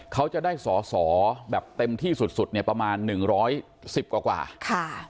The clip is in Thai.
เขาจะได้สอแบบเต็มที่สุดประมาณ๑๑๐กว่ากว่า